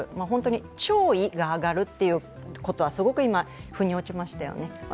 本当に潮位が上がるということはすごく今、ふに落ちましたよね。